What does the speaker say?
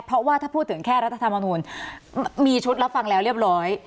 เพราะว่าถ้าพูดถึงแค่รัฐธรรมนูลมีชุดรับฟังแล้วเรียบร้อย